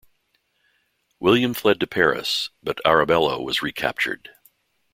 William fled to Paris, but Arabella was recaptured.